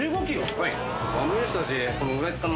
はい。